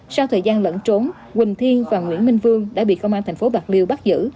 sau thời gian lẫn trốn quỳnh thiên và nguyễn minh vương đã bị công an thành phố bạc liêu bắt giữ